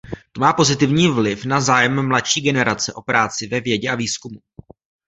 To má pozitivní vliv na zájem mladší generace o práci ve vědě a výzkumu.